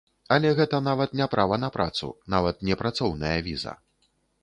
Але гэта нават не права на працу, нават не працоўная віза.